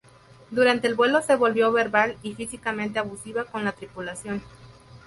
Durante el vuelo se volvió verbal y físicamente abusiva con la tripulación.